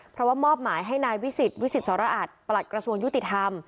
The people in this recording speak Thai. เพราะว่ามอบหมายให้นายวิสิทธิวิสิตสรอัตประหลัดกระทรวงยุติธรรม